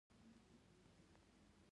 لومړی باید مصرفي ارزښت ولري.